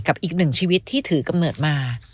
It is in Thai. กับอีกหนึ่งชีวิตที่ถือกำเนิดมา